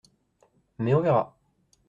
Mais on verra.